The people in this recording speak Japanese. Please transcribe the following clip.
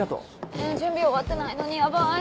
え準備終わってないのにヤバい！